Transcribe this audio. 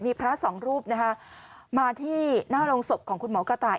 มีพระสองรูปนะคะมาที่หน้าโรงศพของคุณหมอกระต่าย